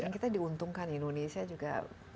kita diuntungkan indonesia juga